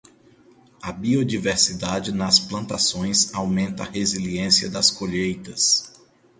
A biodiversidade nas plantações aumenta a resiliência das colheitas.